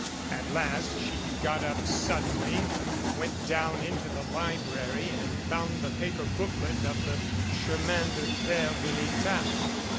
At last she got up suddenly, went down into the li brary and found the paper booklet of the Chemins de Per de VEtat.